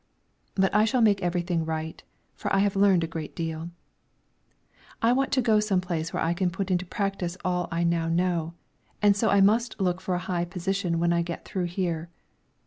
But I shall make everything right, for I have learned a great deal. I want to go to some place where I can put into practice all I now know, and so I must look for a high position when I get through here.